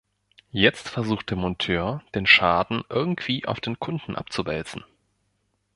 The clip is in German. Jetzt versucht der Monteur, den Schaden irgendwie auf den Kunden abzuwälzen.